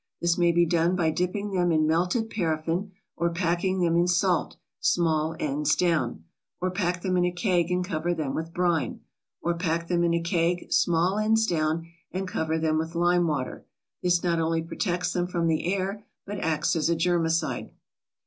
This may be done by dipping them in melted paraffine, or packing them in salt, small ends down; or pack them in a keg and cover them with brine; or pack them in a keg, small ends down and cover them with lime water; this not only protects them from the air, but acts as a germicide.